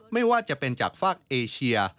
ไม่ว่าจะเป็นจากฝากเอเชีย